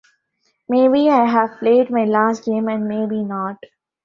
Maybe I have played my last game and maybe not.